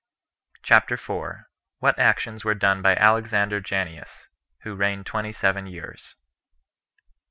CHAPTER 4. What Actions Were Done By Alexander Janneus, Who Reigned Twenty Seven Years.